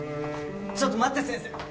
ちょっと待って先生！